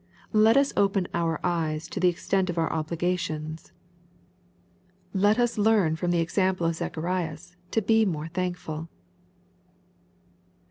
Let us open our eyes to the extent of our obligations. Let us learn from the example of Zacharias^ to be more thankful.